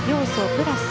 プラス